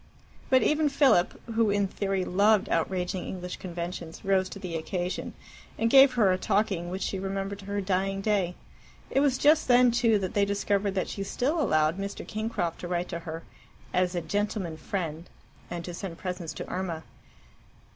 But even Philip, who in theory loved outraging English conventions, rose to the occasion, and gave her a talking which she remembered to her dying day. It was just then, too, that they discovered that she still allowed Mr. Kingcroft to write to her "as a gentleman friend," and to send presents to Irma.